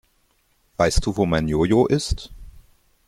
Weißt du, wo mein Jo-Jo ist?